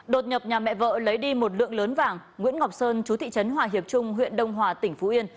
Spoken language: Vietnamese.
đột nhập nhà mẹ vợ lấy đi một lượng lớn vàng nguyễn ngọc sơn chú thị trấn hòa hiệp trung huyện đông hòa tỉnh phú yên